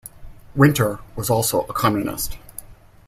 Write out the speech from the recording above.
Winter was also a Communist.